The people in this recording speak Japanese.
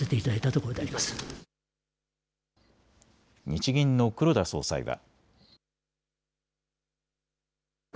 日銀の黒田総裁は。